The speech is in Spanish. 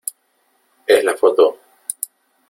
es la foto ...